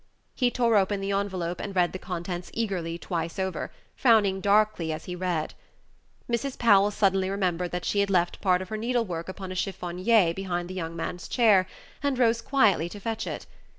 He tore open the envelope, and read the contents eagerly twice over, frowning darkly as he read. Mrs. Powell suddenly remembered that she had left part of her needle work upon a chiffonnier behind the young man's chair, and rose quietly to fetch it.